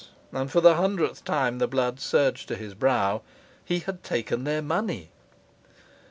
and for the hundredth time the blood surged to his brow he had taken their money!